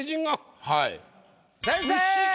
はい。